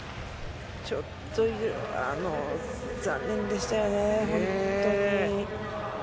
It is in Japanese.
ちょっと残念でしたよね。